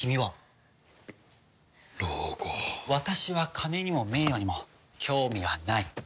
私は金にも名誉にも興味はない。